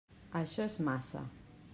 Això és massa.